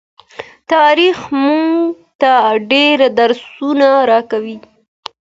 تاریخ مونږ ته ډیر درسونه راکوي.